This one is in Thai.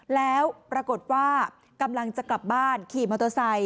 แล้วปรากฏว่ากำลังจะกลับบ้านขี่มอเตอร์ไซค